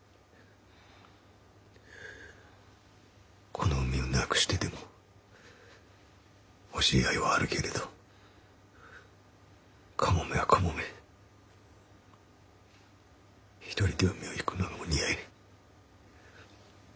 「この海を失くしてでもほしい愛はあるけれどかもめはかもめひとりで海をゆくのがお似合い」。